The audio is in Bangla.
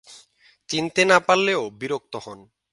চিনতে না পারলেও বিরক্ত হন।